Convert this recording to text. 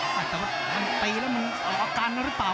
แต่ว่ามันตีแล้วมันออกอาการหรือเปล่า